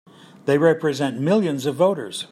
They represent millions of voters!